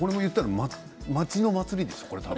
町のお祭りでしょう？